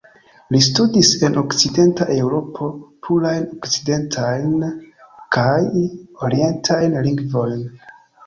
Li studis en Okcidenta Eŭropo plurajn okcidentajn kaj orientajn lingvojn.